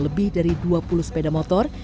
lebih dari dua puluh sepeda motor